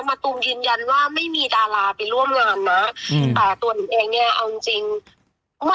มะตูมยืนยันว่าไม่มีดาราไปร่วมงานนะแต่ตัวหนิงเองเนี่ยเอาจริง